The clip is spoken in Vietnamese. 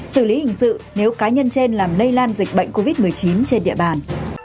xử lý hình sự nếu cá nhân trên làm lây lan dịch bệnh covid một mươi chín trên địa bàn